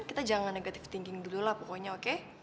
kita jangan negative thinking dulu lah pokoknya oke